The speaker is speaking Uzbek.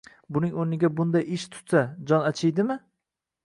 buning o'rniga bunday ish tutsa, jon chidaydimi?